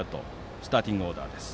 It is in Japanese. スターティングオーダーです。